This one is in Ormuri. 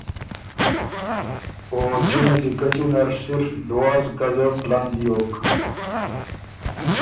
او جِنه جیکچی نر صرف دواس ګزه پلن بیوک۔